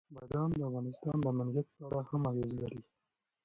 بادام د افغانستان د امنیت په اړه هم اغېز لري.